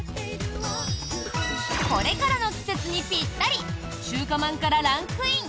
これからの季節にぴったり中華まんからランクイン！